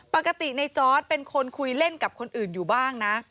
ปกติในจอร์ดเป็นคนคุยเล่นกับคนอื่นอยู่บ้างนะ